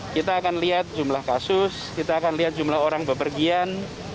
kita akan lihat jumlah kasus kita akan lihat jumlah orang bepergian